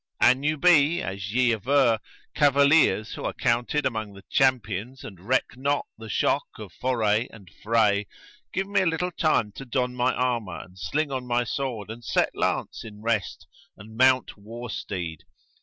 An you be, as ye aver, cavaliers who are counted among the Champions and reck not the shock of foray and fray, give me a little time to don my armour and sling on my sword and set lance in rest and mount war steed.